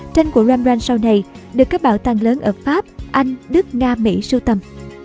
tranh của rambrand sau này được các bảo tàng lớn ở pháp anh đức nga mỹ sưu tầm